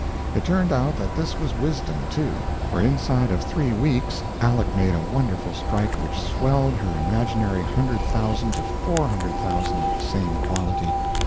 It turned out that this was wisdom, too; for inside of three weeks Aleck made a wonderful strike which swelled her imaginary hundred thousand to four hundred thousand of the same quality.